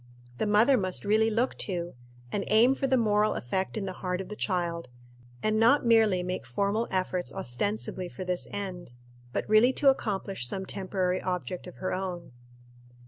The mother must really look to, and aim for the actual moral effect in the heart of the child, and not merely make formal efforts ostensibly for this end, but really to accomplish some temporary object of her own.